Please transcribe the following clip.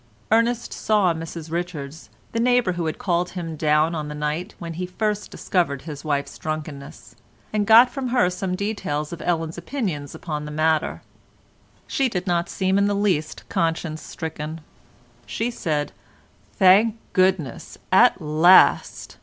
Ernest saw Mrs Richards, the neighbour who had called him down on the night when he had first discovered his wife's drunkenness, and got from her some details of Ellen's opinions upon the matter. She did not seem in the least conscience stricken; she said: "Thank goodness, at last!"